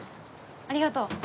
ありがとう。